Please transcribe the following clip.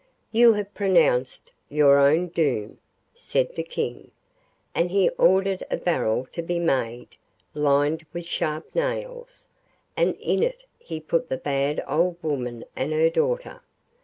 'You have pronounced your own doom,' said the King; and he ordered a barrel to be made lined with sharp nails, and in it he put the bad old woman and her daughter.